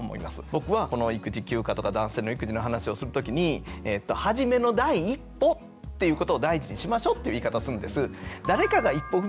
僕はこの育児休暇とか男性の育児の話をする時に初めの第一歩っていうことを大事にしましょうって言い方するんです。